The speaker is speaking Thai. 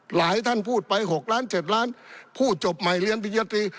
หลายท่านพูดไปหกล้านเจ็ดล้านผู้จบใหม่เรียนพิเศษธรี